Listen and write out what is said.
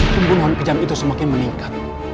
pembunuhan kejam itu semakin meningkat